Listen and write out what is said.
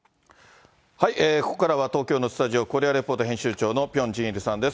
ここからは東京のスタジオ、コリア・レポート編集長のピョン・ジンイルさんです。